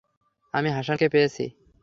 আমি হাসানকে পেয়েছি।